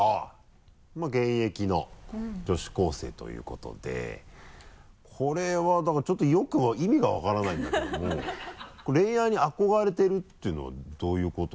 まぁ現役の女子高生ということでこれはだからちょっとよく意味が分からないんだけどもこれ恋愛に憧れてるっていうのはどういうこと？